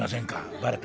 「バレた」。